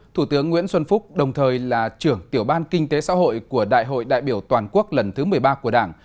thủ tướng nguyễn xuân phúc đồng thời là trưởng tiểu ban kinh tế xã hội của đại hội đại biểu toàn quốc lần thứ một mươi ba của đảng